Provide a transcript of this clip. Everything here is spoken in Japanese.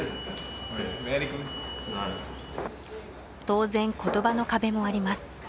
当然言葉の壁もあります